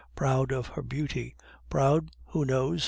Proud of her beauty; proud (who knows?)